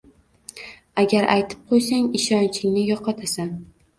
Agar aytib qo‘ysang, ishonchingni yo‘qotasan.